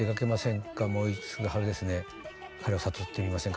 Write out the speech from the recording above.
「彼を誘ってみませんか」